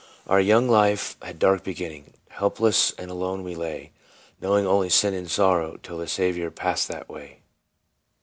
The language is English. " Our young life had dark beginning, Helpless and alone we lay ; Knowing only sin and sorrow, Till the Saviour passed that way."